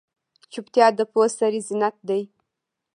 چوپتیا، د پوه سړي زینت دی.